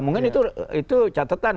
mungkin itu catatan